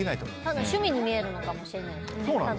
ただの趣味に見えるのかもしれないですね。